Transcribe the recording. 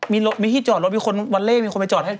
มีรถมีที่จอดรถมีคนวันเลขมีคนไปจอดให้